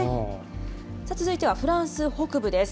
続いてはフランス北部です。